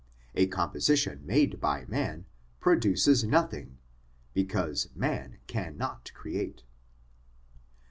A composition made by man produces nothing, because man cannot create.